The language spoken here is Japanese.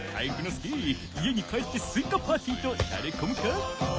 介家に帰ってスイカパーティーとしゃれこむか？